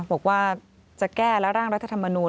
บอกว่าจะแก้และร่างรัฐธรรมนูล